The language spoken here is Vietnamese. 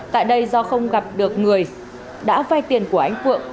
tại đây do không gặp được người đã vay tiền của anh phượng